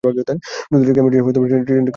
যুদ্ধশেষে কেমব্রিজের ট্রিনিটি কলেজে ভর্তি হন।